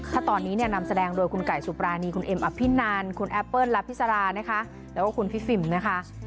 ถ้าตอนนี้เนี่ยนำแสดงโดยคุณไก่สุปรานีคุณเอ็มอภินันคุณแอปเปิ้ลและพิสารานะคะแล้วก็คุณพี่ฟิล์มนะคะ